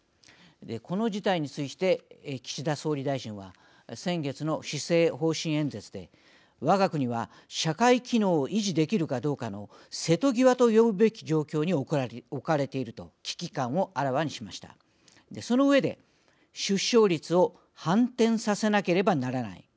この事態について岸田総理大臣は先月の施政方針演説で「わが国は、社会機能を維持できるかどうかの瀬戸際と呼ぶべき状況に置かれている」と危機感をあらわにしました、その上で「出生率を反転させなければならない」